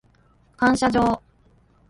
感謝状